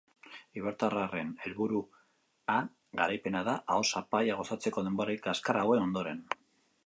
Eibartarren helburua garaipena da aho-zapaia gozatzeko denboraldi kaskar hauen ondoren.